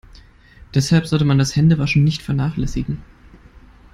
Deshalb sollte man das Händewaschen nicht vernachlässigen.